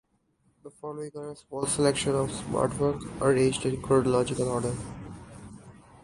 The following are a small selection of Smart's work, arranged in chronological order.